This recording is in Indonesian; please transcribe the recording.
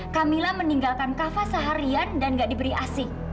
camilla meninggalkan kava seharian dan gak diberi asi